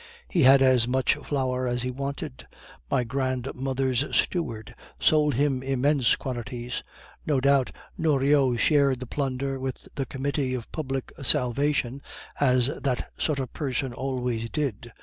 He had as much flour as he wanted. My grandmother's steward sold him immense quantities. No doubt Noriot shared the plunder with the Committee of Public Salvation, as that sort of person always did.